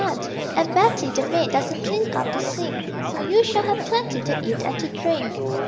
And Betty, the maid, doesn't clean up the sink, So you shall have plenty to eat and to drink.